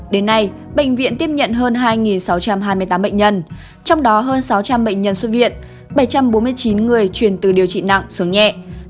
đến nay bệnh viện tiếp nhận hơn hai sáu trăm hai mươi tám bệnh nhân trong đó hơn sáu trăm linh bệnh nhân xuất viện bảy trăm bốn mươi chín người chuyển từ điều trị nặng xuống nhẹ